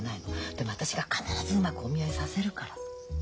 でも私が必ずうまくお見合いさせるから。